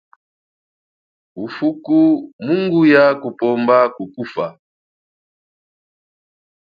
Ufuku munguya kupomba kukufa.